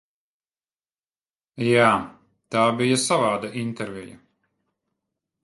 Jā, tā bija savāda intervija.